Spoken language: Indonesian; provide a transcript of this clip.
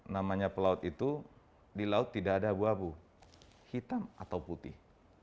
namanya pelaut itu di laut tidak ada abu abu hitam atau putih